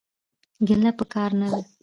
ګيله پکار نه ده.